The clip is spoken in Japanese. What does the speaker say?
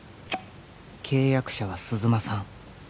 「契約者は鈴間さん」